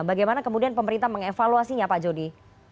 bagaimana kemudian pemerintah mengevaluasinya pak jody